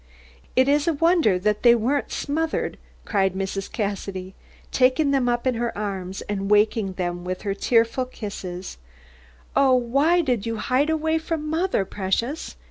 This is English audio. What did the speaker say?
"It is a wonder that they weren't smothered," cried Mrs. Cassidy, taking them up in her arms and waking them with her tearful kisses. "Oh, why did you hide away from mother, precious?"